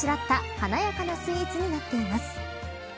華やかなスイーツになっています。